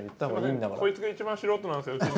こいつが一番素人なんです。